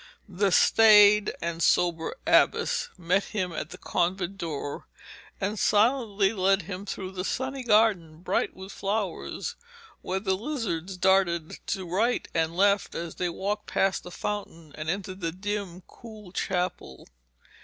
The staid and sober abbess met him at the convent door, and silently led him through the sunny garden, bright with flowers, where the lizards darted to right and left as they walked past the fountain and entered the dim, cool chapel.